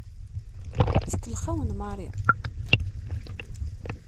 Tkellex-awen Mary.